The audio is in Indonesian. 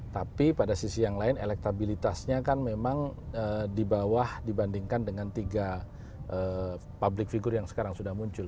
tapi pada sisi yang lain elektabilitasnya kan memang di bawah dibandingkan dengan tiga public figure yang sekarang sudah muncul